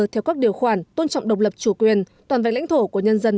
theo các điều khoản tôn trọng độc lập chủ quyền toàn vẹn lãnh thổ của nhân dân